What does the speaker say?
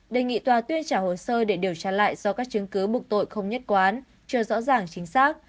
đề nghị tòa tuyên trả hồ sơ để điều tra lại do các chứng cứ bục tội không nhất quán chưa rõ ràng chính xác